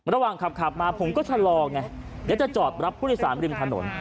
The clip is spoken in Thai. ระหว่างขับมาผมก็ชะลอไงเดี๋ยวจะจอดรับผู้โดยสารริมถนน